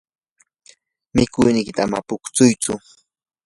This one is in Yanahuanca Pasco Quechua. mikuynikiyta ama puksuytsu.